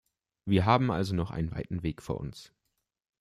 Wir haben also noch einen weiten Weg vor uns.